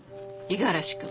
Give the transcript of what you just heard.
五十嵐君。